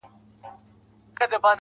o چي در رسېږم نه، نو څه وکړم ه ياره.